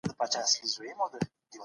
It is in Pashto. تاسي کله په ژوند کي ماته خوړلې ده؟